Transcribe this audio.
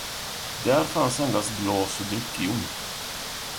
Där fanns endast glas och dryckjom.